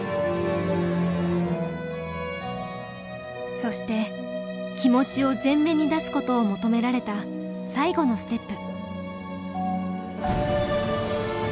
そして気持ちを前面に出すことを求められた最後のステップ。